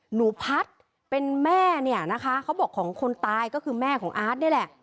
หนูพัดเป็นแม่เนี่ยนะคะเขาบอกของคนตายก็คือแม่ของอาร์ตนี่แหละ